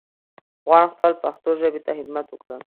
غواړم خپل پښتو ژبې ته خدمت وکړم